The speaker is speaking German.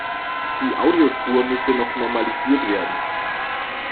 Die Audiospur müsste noch normalisiert werden.